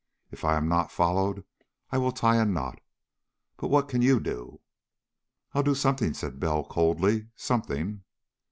If I am not followed, I will tie a knot. But what can you do?" "I'll do something," said Bell coldly. "Something!"